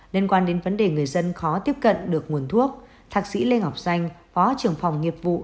liên quan đến vấn đề người dân khó tiếp cận được nguồn thuốc thạc sĩ lê ngọc danh phó trưởng phòng nghiệp vụ